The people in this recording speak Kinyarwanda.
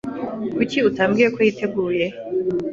Kuki utambwiye ko yiteguye?